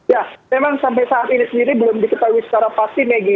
ya memang sampai saat ini sendiri belum diketahui secara pasti megi